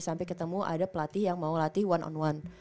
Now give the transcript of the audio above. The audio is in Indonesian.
sampai ketemu ada pelatih yang mau latih one on one